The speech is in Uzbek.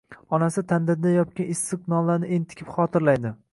onasi tandirda yopgan issiq nonlarni entikib xotirlaydi.